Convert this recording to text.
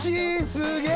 すげえ！